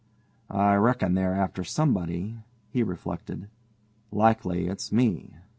"I reckon they're after somebody," he reflected; "likely it's me."